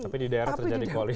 tapi di daerah terjadi koalisi